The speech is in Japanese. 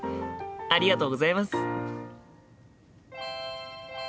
ありがとうございます。